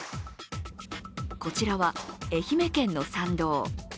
こちらは愛媛県の山道。